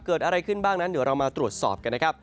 เกิดอะไรขึ้นบ้างนั้นเดี๋ยวเรามาตรวจสอบกันนะครับ